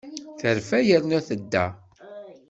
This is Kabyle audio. Terfa yernu tedda.